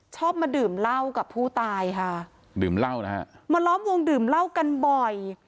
ชอบมาดื่มเหล้ากับผู้ตายค่ะดื่มเหล้านะฮะมาล้อมวงดื่มเหล้ากันบ่อย